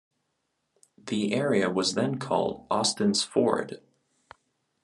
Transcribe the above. The area was then called Austin's Ford.